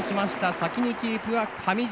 先にキープは上地。